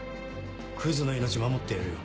クズの命守ってやるよ。